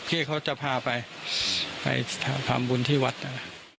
ที่เขาจะพาไปไปทำบุญที่วัดนะ